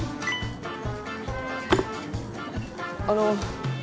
あの。